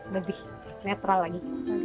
lebih netral lagi